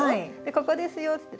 「ここですよ」って。